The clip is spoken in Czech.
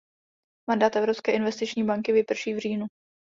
Mandát Evropské investiční banky vyprší v říjnu.